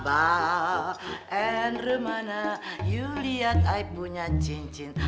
abang and rumana you liat i punya cincin